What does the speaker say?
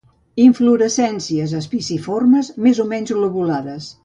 Inflorescències espiciformes més o menys lobulades.